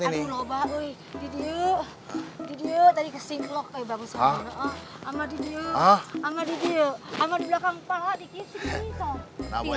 aduh lho pak